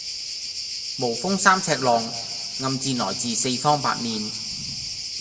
無風三尺浪，暗箭來自四方八面